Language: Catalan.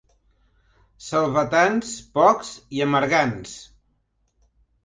Selvatans, pocs i amargants.